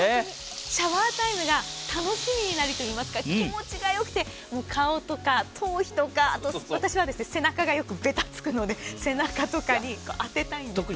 シャワータイムが楽しみになるといいますか気持ちが良くて顔とか頭皮とか私は背中がよくべたつくので背中とかに当てたいんです。